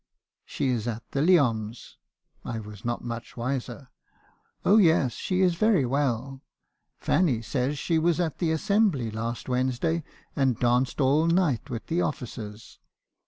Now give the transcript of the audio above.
"' She is at the Leoms (I was not much wiser). Oh yes, she is very well. Fanny says she was at the Assembly last Wed nesday, and danced all night with the officers.'